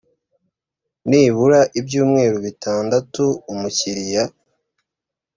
nibura ibyumweru bitandatu umukiriya